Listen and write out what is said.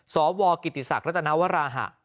สวกิติศักดิรัตนวราหะ